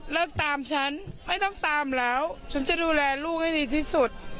ตามฉันไม่ต้องตามแล้วฉันจะดูแลลูกให้ดีที่สุด